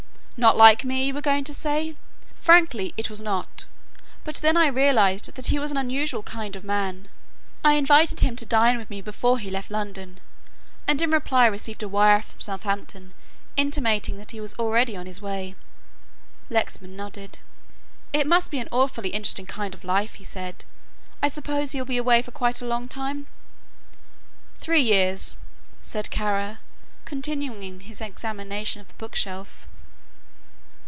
"Not like me, you were going to say. Frankly, it was not, but then I realized that he was an unusual kind of man. I invited him to dine with me before he left London, and in reply received a wire from Southampton intimating that he was already on his way." Lexman nodded. "It must be an awfully interesting kind of life," he said. "I suppose he will be away for quite a long time?" "Three years," said Kara, continuing his examination of the bookshelf.